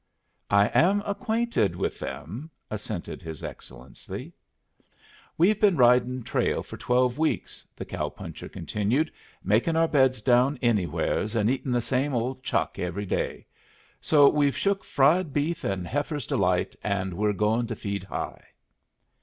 "I am acquainted with them," assented his Excellency. "We've been ridin' trail for twelve weeks," the cow puncher continued, "makin' our beds down anywheres, and eatin' the same old chuck every day. So we've shook fried beef and heifer's delight, and we're goin' to feed high."